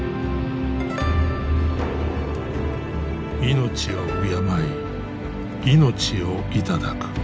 命を敬い命を頂く。